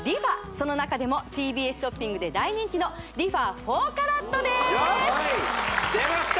その中でもＴＢＳショッピングで大人気のＲｅＦａ４ＣＡＲＡＴです出ました